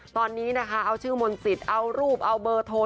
ตอนนี้นะคะเอาชื่อมนต์สิทธิ์เอารูปเอาเบอร์โทร